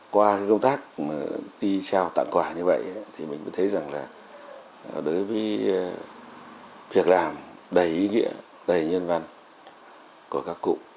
qua công tác đi trao tặng quà như vậy thì mình mới thấy rằng là đối với việc làm đầy ý nghĩa đầy nhân văn của các cụ